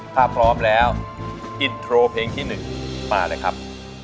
ถ้าพร้อมแล้วอินโทรเพลงที่๑มาเลยครับ